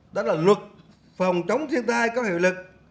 đó là luật phòng chống thiên tai có hiệu lực